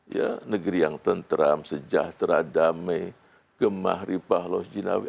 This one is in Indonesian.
ya negeri yang tentram sejahtera damai gemah ripah losjinawi